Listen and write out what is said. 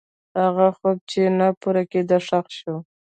هغه خوب چې نه پوره کېده، ښخ شو.